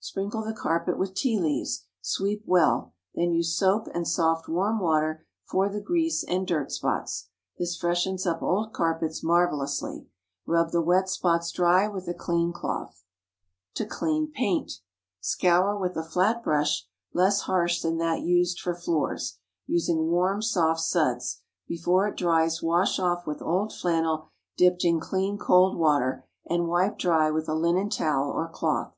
Sprinkle the carpet with tea leaves; sweep well; then use soap and soft, warm water for the grease and dirt spots. This freshens up old carpets marvellously. Rub the wet spots dry with a clean cloth. TO CLEAN PAINT. Scour with a flat brush, less harsh than that used for floors, using warm soft suds; before it dries wash off with old flannel dipped in clean cold water, and wipe dry with a linen towel or cloth.